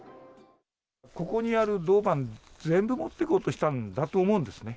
ここにある銅板、全部持っていこうとしたんだと思うんですよね。